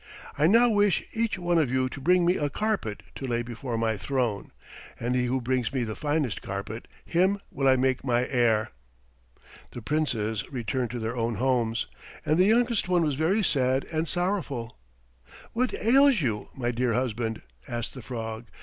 "I now wish each one of you to bring me a carpet to lay before my throne, and he who brings me the finest carpet, him will I make my heir." The Princes returned to their own homes, and the youngest one was very sad and sorrowful. "What ails you, my dear husband?" asked the frog.